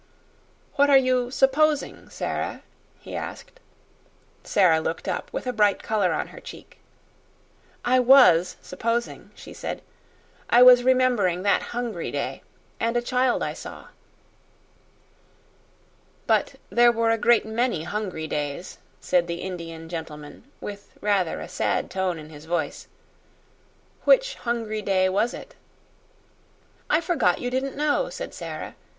"What are you 'supposing,' Sara?" he asked. Sara looked up, with a bright color on her cheek. "I WAS supposing," she said; "I was remembering that hungry day, and a child I saw." "But there were a great many hungry days," said the Indian gentleman, with rather a sad tone in his voice. "Which hungry day was it?" "I forgot you didn't know," said Sara.